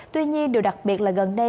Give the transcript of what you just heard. tuy nhiên điều đặc biệt là gần đây